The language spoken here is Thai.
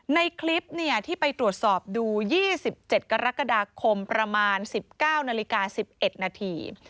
ในคลิปที่ไปตรวจสอบดู๒๗กรกฎาคมประมาณ๑๙นาฬิกา๑๑นาที